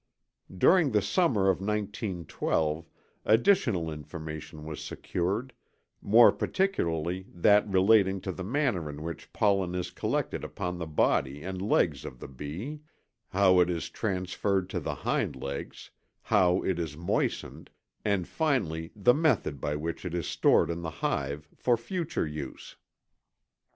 During the summer of 1912 additional information was secured, more particularly that relating to the manner in which pollen is collected upon the body and legs of the bee, how it is transferred to the hind legs, how it is moistened, and finally the method by which it is stored in the hive for future use.